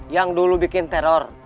yang dulu bikin teror